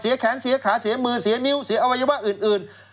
แขนเสียขาเสียมือเสียนิ้วเสียอวัยวะอื่น